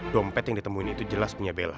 dompet yang ditemuin itu jelas punya bela